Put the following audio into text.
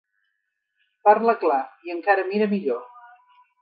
Parla clar i encara mira millor.